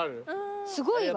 すごいわ。